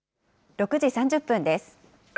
６時３０分です。